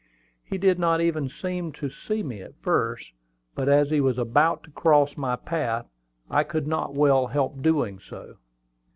He did not even seem to see me at first; but as he was about to cross my path, he could not well help doing so.